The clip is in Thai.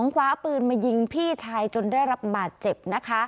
คว้าปืนมายิงพี่ชายจนได้รับบาดเจ็บนะคะ